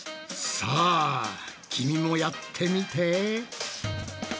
さあ君もやってみて！